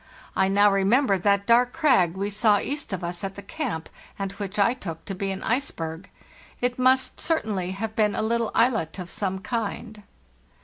I now remember that dark crag we saw east of us at the camp, and which I took to be an iceberg. It must certainly have been a little islet* of some kind.